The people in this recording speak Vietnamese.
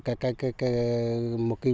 một cái tháp trầm pa